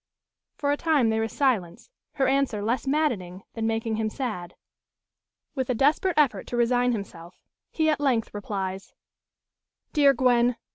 For a time there is silence; her answer less maddening than making him sad. With a desperate effort to resign himself, he at length replies: "Dear Gwen!